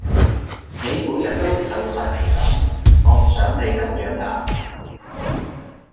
你每日都皺晒眉噉，我唔想你噉樣呀